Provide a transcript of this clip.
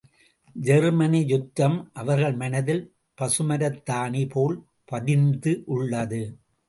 Germany யுத்தம் அவர்கள் மனத்தில் பசுமரத்தாணி போல் பதிந்து உள்ளது.